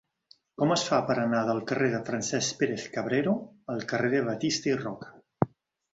Com es fa per anar del carrer de Francesc Pérez-Cabrero al carrer de Batista i Roca?